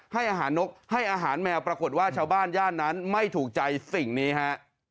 ให้อาหารนกให้อาหารแมวปรากฏว่าชาวบ้านย่านนั้นไม่ถูกใจสิ่งนี้ฮะ